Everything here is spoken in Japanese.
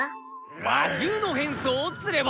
魔獣の変装をすれば！